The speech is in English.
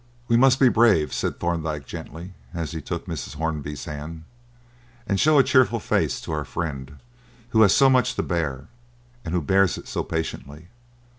"We must be brave," said Thorndyke gently, as he took Mrs. Hornby's hand, "and show a cheerful face to our friend who has so much to bear and who bears it so patiently.